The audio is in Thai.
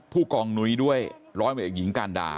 ผู้กองหนุยด้วยร้อยตระหนดเอกหญิงการดา